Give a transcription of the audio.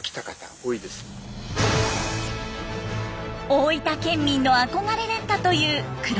大分県民の憧れだったという黒島。